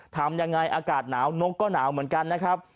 ทำยังไงอากาศหนาวนกก็หนาวเหมือนกันนะครับ